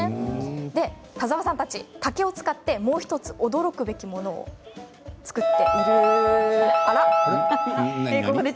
田澤さんたち、竹を使ってもう１つ驚くべきものを作っているんです。